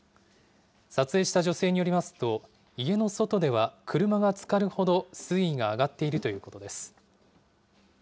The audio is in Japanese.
撮影した女性によりますと、家の外では車がつかるほど水位が上がっているということです。